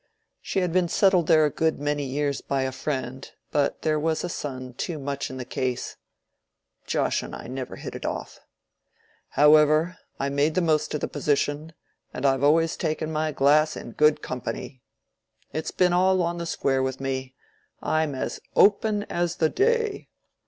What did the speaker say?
She had been settled there a good many years by a friend; but there was a son too much in the case. Josh and I never hit it off. However, I made the most of the position, and I've always taken my glass in good company. It's been all on the square with me; I'm as open as the day.